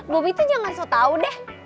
bobi itu jangan so tau deh